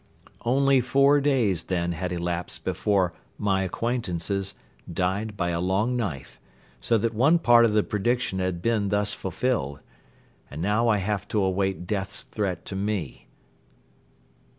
Only four days then had elapsed before "my acquaintances" died "by a long knife," so that one part of the prediction had been thus fulfilled. And now I have to await Death's threat to me.